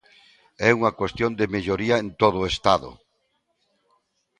É unha cuestión de melloría en todo o Estado.